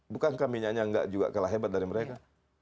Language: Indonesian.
bukankah minyaknya nggak juga kalah hebat dari mereka